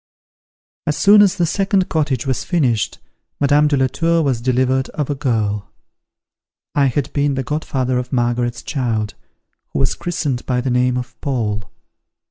As soon as the second cottage was finished, Madame de la Tour was delivered of a girl. I had been the godfather of Margaret's child, who was christened by the name of Paul.